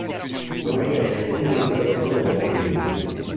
Non riesce comunque ad ottenere punti.